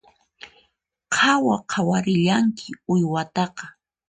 Qhawa qhawarillanki uywataqa